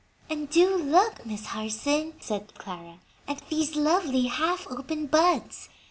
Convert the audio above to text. "And do look, Miss Harson," said Clara, "at these lovely half open buds!